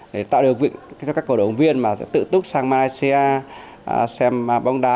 để tạo được các cổ động viên tự túc sang malaysia xem bóng đá